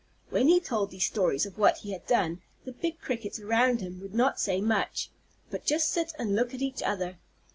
When he told these stories of what he had done, the big Crickets around him would not say much, but just sit and look at each other.